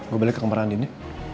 gue balik ke kemaraan ini